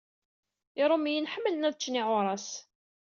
Iṛumyen ḥemmlen ad ččen iɛuṛas.